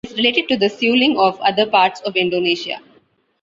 It is related to the suling of other parts of Indonesia.